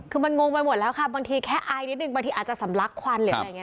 คือมันงงไปหมดแล้วครับบางทีแค่อายนิดนึงบางทีอาจจะสำลักควันอะไรนี้นะ